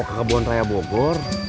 ke kebun raya bogor